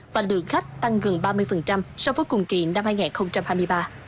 và lượng khách tăng gần ba mươi so với cùng kỳ năm hai nghìn hai mươi ba